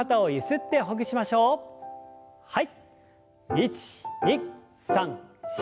１２３４。